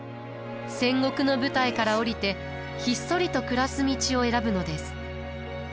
戦国の舞台から下りてひっそりと暮らす道を選ぶのです。